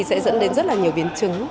sẽ dẫn đến rất là nhiều biến chứng